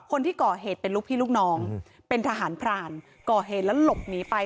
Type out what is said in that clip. คนที่ก่อเหตุเป็นลูกพี่ลูกน้องเป็นทหารพรานก่อเหตุแล้วหลบหนีไป